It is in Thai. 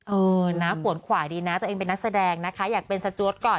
เออนะปวดขวาดีนะตัวเองเป็นนักแสดงนะคะอยากเป็นสจวดก่อน